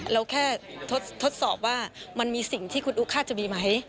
เราแค่ทดสอบว่ามันมีสิ่งที่คุณอุ๊กคาดจะมีไหม